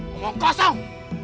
kau mau kosong